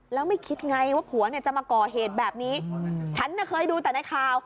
แล้วไม่คิดไงว่าผัวเนี่ยจะมาก่อเหตุแบบนี้ฉันน่ะเคยดูแต่ในข่าว